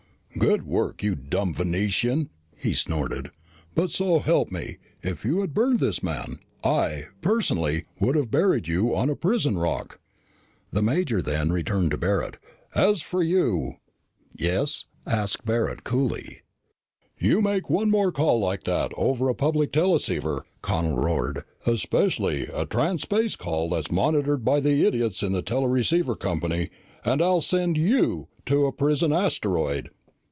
"Good work, you dumb Venusian," he snorted. "But so help me, if you had burned this man, I, personally, would've buried you on a prison rock." The major then turned to Barret. "As for you " he snarled. "Yes?" asked Barret coolly. "You make one more call like that over a public teleceiver," Connel roared, "especially a transspace call that's monitored by the idiots in the teleceiver company, and I'll send you to a prison asteroid!"